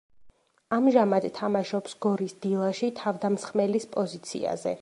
ამჟამად თამაშობს გორის დილაში, თავდამსხმელის პოზიციაზე.